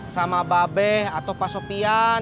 sama babeh atau pak sopian